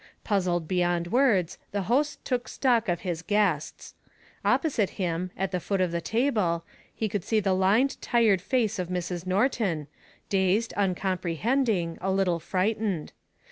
Puzzled beyond words, the host took stock of his guests. Opposite him, at the foot of the table, he could see the lined tired face of Mrs. Norton, dazed, uncomprehending, a little frightened.